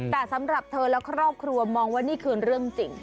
แต่สำหรับเธอและครอบครัวมองว่านี่คือเรื่องจริง